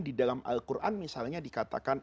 di dalam al quran misalnya dikatakan